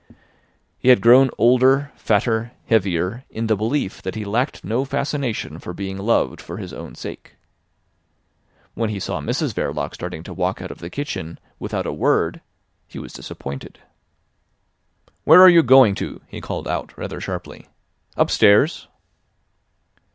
He had grown older, fatter, heavier, in the belief that he lacked no fascination for being loved for his own sake. When he saw Mrs Verloc starting to walk out of the kitchen without a word he was disappointed. "Where are you going to?" he called out rather sharply. "Upstairs?"